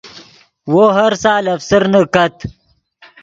وو ہر سال افسرنے کت